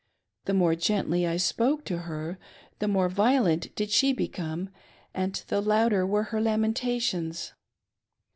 The more gently I spoke to her, the more violent did she become, and the louder were her lamentations.